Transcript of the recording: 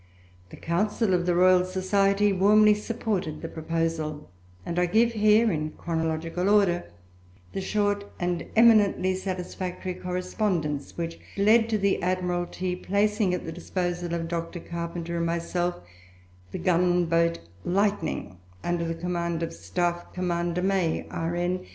The Council of the Royal Society warmly supported the proposal; and I give here in chronological order the short and eminently satisfactory correspondence which led to the Admiralty placing at the disposal of Dr. Carpenter and myself the gunboat Lightninq, under the command of Staff Commander May, R.N.